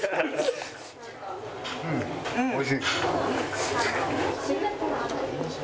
うんおいしい。